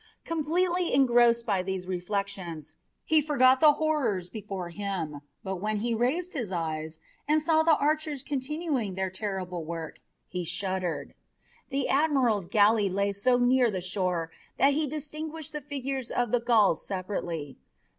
Completely engrossed by these reflections, he forgot the horrors before him, but when he raised his eyes and saw the archers continuing their terrible work he shuddered. The admiral's galley lay so near the shore that he distinguished the figures of the Gauls separately.